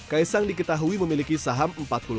kaisang diketahui memiliki saham empat puluh lima